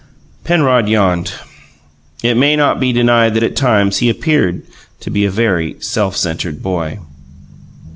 Penrod yawned. It may not be denied that at times he appeared to be a very self centred boy.